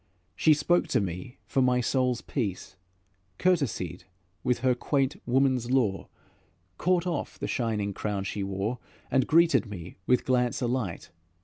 She spoke to me for my soul's peace, Courtesied with her quaint woman's lore, Caught off the shining crown she wore, And greeted me with glance alight.